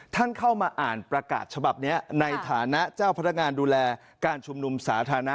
ท่านเข้ามาอ่านประกาศฉบับนี้ในฐานะเจ้าพนักงานดูแลการชุมนุมสาธารณะ